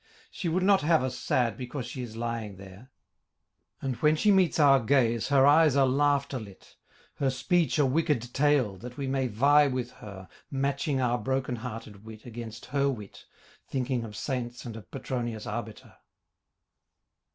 She would not have us sad because she is lying there, And when she meets our gaze her eyes are laughter lit, Her speech a wicked tale that we may vie with her Matching our broken hearted wit against her wit, Thinking of saints and of Petronius Arbiter.